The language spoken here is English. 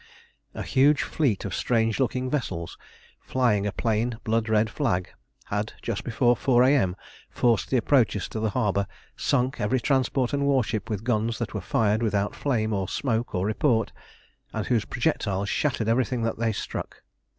A huge fleet of strange looking vessels, flying a plain blood red flag, had just before four A.M. forced the approaches to the harbour, sunk every transport and warship with guns that were fired without flame, or smoke, or report, and whose projectiles shattered everything that they struck.